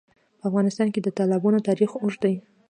په افغانستان کې د تالابونه تاریخ اوږد دی.